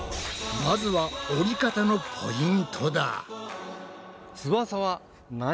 まずは折り方のポイントだ！